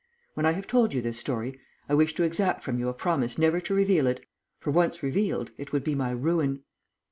When I have told you this story, I wish to exact from you a promise never to reveal it, for once revealed it would be my ruin."